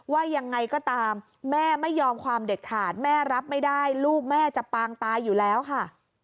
ว่ายังไงก็ตามแม่ไม่ยอมความเด็ดขาดแม่รับไม่ได้ลูกแม่จะปางตายอยู่แล้วค่ะ